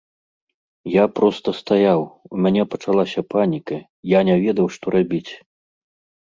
Я проста стаяў, у мяне пачалася паніка, я не ведаў, што рабіць.